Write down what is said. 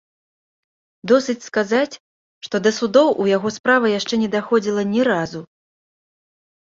Досыць сказаць, што да судоў у яго справа яшчэ не даходзіла ні разу.